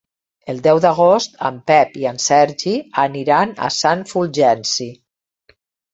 El deu d'agost en Pep i en Sergi aniran a Sant Fulgenci.